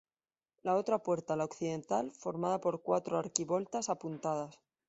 La otra puerta, la occidental, formada por cuatro arquivoltas apuntadas.